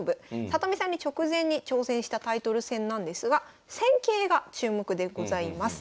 里見さんに直前に挑戦したタイトル戦なんですが戦型が注目でございます。